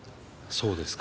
そうですか。